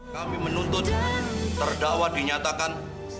kami menuntut terdakwa dinyatakan